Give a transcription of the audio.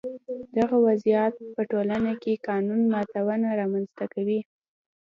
دغه وضعیت په ټولنه کې قانون ماتونه رامنځته کوي.